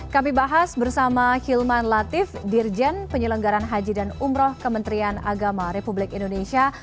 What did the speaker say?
kami bahas bersama hilman latif dirjen penyelenggaran haji dan umroh kementerian agama republik indonesia